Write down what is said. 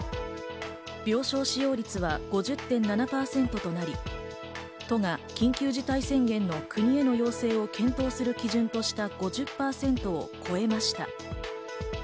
病床使用率は５０．７％となり、都が緊急事態宣言の国への要請を検討する基準とした５０％を超えました。